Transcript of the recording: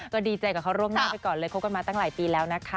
ก็ดีใจกับเขาล่วงหน้าไปก่อนเลยคบกันมาตั้งหลายปีแล้วนะคะ